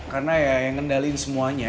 karena ya yang ngendalin semuanya